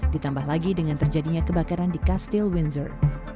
ditambah lagi dengan terjadinya kebakaran di kastil windsor